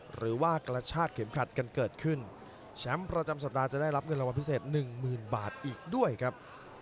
หรือว่ากระชากเข็มขัดกันเกิดขึ้นแชมป์ประจำสัปดาห์จะได้รับเงินรางวัลพิเศษหนึ่งหมื่นบาทอีกด้วยครับ